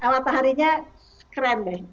mataharinya keren deh